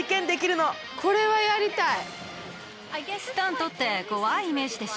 これはやりたい。